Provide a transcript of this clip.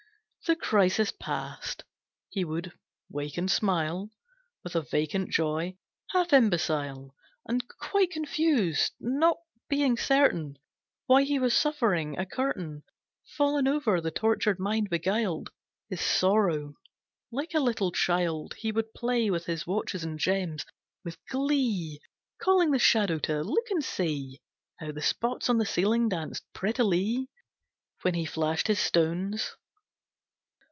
The crisis passed, he would wake and smile With a vacant joy, half imbecile And quite confused, not being certain Why he was suffering; a curtain Fallen over the tortured mind beguiled His sorrow. Like a little child He would play with his watches and gems, with glee Calling the Shadow to look and see How the spots on the ceiling danced prettily When he flashed his stones.